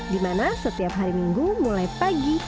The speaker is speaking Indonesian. di mana setiap hari minggu mulai pagi